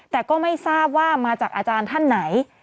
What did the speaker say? แต่ก็ไม่ทราบว่ามาจากอาจารย์ท่านไหน